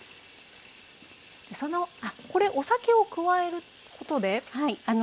これお酒を加えることで？